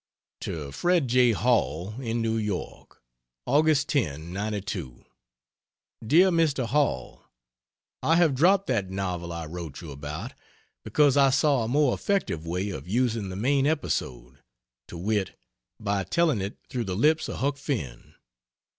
To Fred J. Hall, in New York: Aug. 10, '92. DEAR MR. HALL, I have dropped that novel I wrote you about, because I saw a more effective way of using the main episode to wit: by telling it through the lips of Huck Finn.